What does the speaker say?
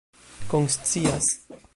konscias